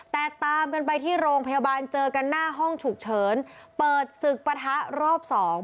แต่ตามกันไปที่โรงพยาบาลเจอกันหน้าห้องฉุกเฉินเปิดศึกปะทะรอบสอง